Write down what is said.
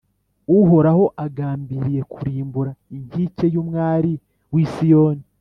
Uhoraho agambiriye kurimbura inkike y’umwari w’i Siyoni;